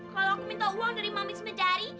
kalau aku minta uang dari mami smedari